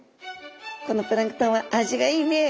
「このプランクトンは味がいいねえ」。